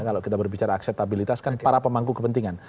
kalau kita berbicara akseptabilitas kan para pemangku kepentingan